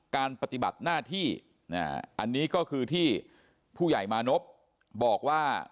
ปฏิบัติหน้าที่อันนี้ก็คือที่ผู้ใหญ่มานพบอกว่า